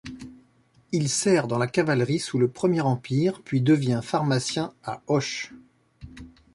Il sert dans la cavalerie sous le Premier Empire, puis devient pharmacien à Auch.